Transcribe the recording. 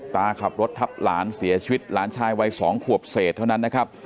ตาขับรถทับหลานเสียชีวิตหลานชายวัย๒ขวบเศษเท่านั้นนะครับ